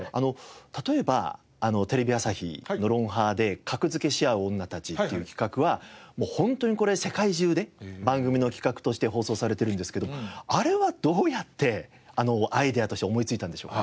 例えばテレビ朝日の『ロンハー』で「格付けしあう女たち」っていう企画はもうホントにこれ世界中で番組の企画として放送されてるんですけどあれはどうやってアイデアとして思いついたんでしょうか？